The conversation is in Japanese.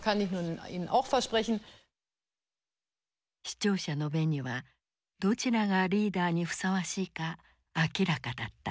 視聴者の目にはどちらがリーダーにふさわしいか明らかだった。